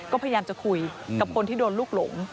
ก็พยายามจะคุยกับคนที่โดนลูกหลง